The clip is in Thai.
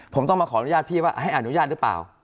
ผมต้องมาขออนุญาตพี่ว่าให้อนุญาตหรือเปล่า